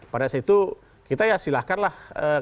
pada saat itu kita ya silahkanlah